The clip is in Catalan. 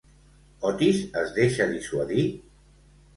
Otis, es deixa dissuadir?